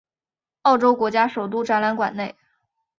澳洲国家首都展览馆内。